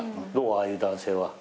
ああいう男性は。